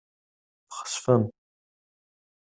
Txesfem.